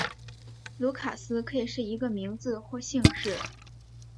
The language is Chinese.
卢卡斯可以是一个名字或姓氏。